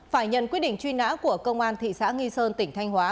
phải nhận quyết định truy nã của công an thị xã nghi sơn tỉnh thanh hóa